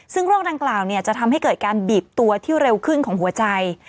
ซึ่งโรคดังกล่าวจะทำให้เกิดการบีบตัวที่เร็วขึ้นของหัวใจ